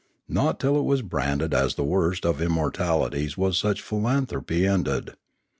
Not till it was branded as the worst of immoralities was such philanthropy ended.